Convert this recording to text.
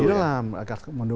di dalam markas komando